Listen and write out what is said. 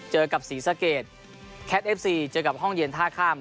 เจอกับศรีสะเกดแคทเอฟซีเจอกับห้องเย็นท่าข้าม